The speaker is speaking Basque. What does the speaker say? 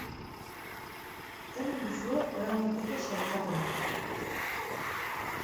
Hemen duzue orain arteko sailkapena.